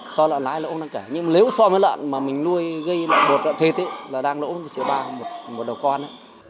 so lợn lái lỗ không đáng kể nhưng nếu so với lợn mà mình nuôi gây một lợn thịt thì đang lỗ một triệu ba trăm linh nghìn một đầu con